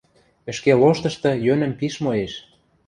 Ӹшке лоштышты йӧнӹм пиш моэш.